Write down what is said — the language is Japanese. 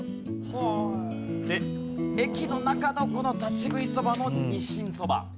で駅の中のこの立ち食いそばのにしんそば。